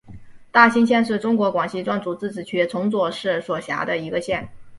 大新县是中国广西壮族自治区崇左市所辖的一个县。